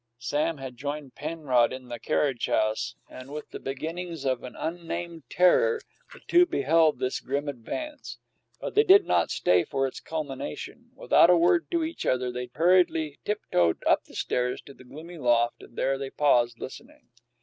Sam had joined Penrod in the carriage house, and, with the beginnings of an unnamed terror, the two beheld this grim advance. But they did not stay for its culmination. Without a word to each other they hurriedly tiptoed up the stairs to the gloomy loft, and there they paused, listening.